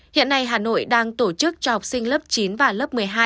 hiện nay hà nội đang tổ chức cho học sinh lớp chín và lớp một mươi hai